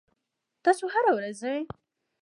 تاسو هره ورځ ځئ؟